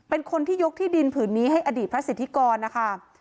เป็นคนที่ยกที่ดินผืนนี้ให้อดีตพระสิทธิกรนะคะ